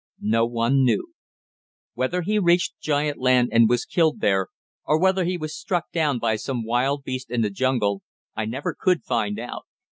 "No one knew. Whether he reached giant land and was killed there, or whether he was struck down by some wild beast in the jungle, I never could find out.